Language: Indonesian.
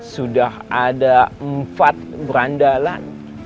sudah ada empat berandalan